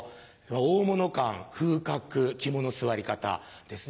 大物感風格肝の据わり方ですね。